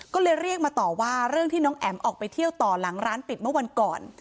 ก็เลยเรียกมาต่อว่าเรื่องที่น้องแอ๋มออกไปเที่ยวต่อหลังร้านปิดเมื่อวันก่อน